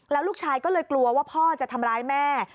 แล้วลูกชายก็เลยกลัวว่าพ่อจะทำร้ายแม่